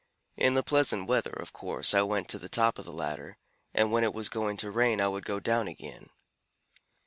In the pleasant weather, of course, I went to the top of the ladder, and when it was going to rain I would go down again.